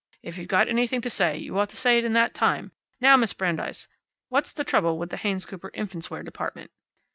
If you've got anything to say you ought to say it in that time. Now, Miss Brandeis, what's the trouble with the Haynes Cooper infants' wear department?"